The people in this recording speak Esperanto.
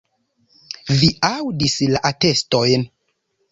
Vi aŭdis la atestojn.